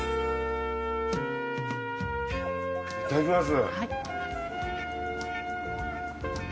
いただきます。